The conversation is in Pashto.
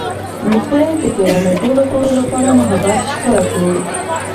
موږ باید د کورنۍ ټولو غړو لپاره محبت ښکاره کړو